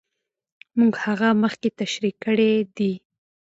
موږ هغه مخکې تشرېح کړې دي.